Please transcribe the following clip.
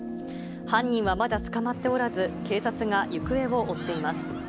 犯人はまだ捕まっておらず、警察が行方を追っています。